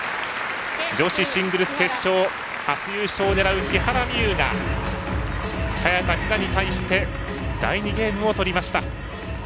女子シングルス決勝初優勝を狙う木原美悠が早田ひなに対して第２ゲームを取りました。